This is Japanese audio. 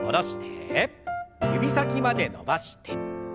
指先まで伸ばして。